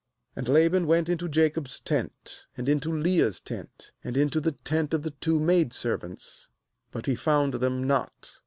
— ^And Laban went into Jacob's tent, and into Leah's tent, and into the tent of the two maid servants; but he found them not.